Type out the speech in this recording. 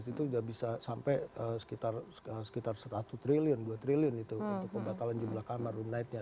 itu sudah bisa sampai sekitar satu triliun dua triliun itu untuk pembatalan jumlah kamar room night nya